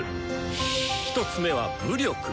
１つ目は「武力」。